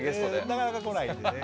なかなか来ないんでね。